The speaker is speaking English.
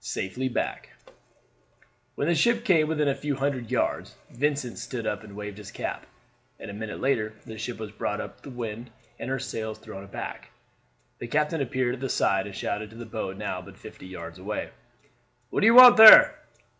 SAFELY BACK. When the ship came within a few hundred yards, Vincent stood up and waved his cap, and a minute later the ship was brought up into the wind and her sails thrown aback. The captain appeared at the side and shouted to the boat now but fifty yards away: "What do you want there?"